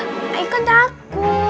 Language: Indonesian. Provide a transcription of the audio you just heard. saya kan takut